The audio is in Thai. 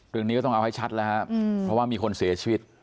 เรื่องนี้ก็ต้องเอาให้ชัดแล้วครับเพราะว่ามีคนเสียชีวิต